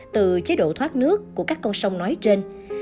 từ chế độ thoát nước của các con sông nói trên